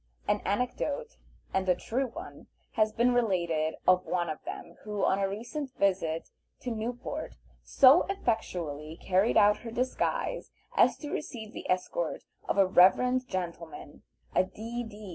An anecdote, and a true one, has been related of one of them who, on a recent visit to Newport, so effectually carried out her disguise as to receive the escort of a reverend gentleman, a D.D.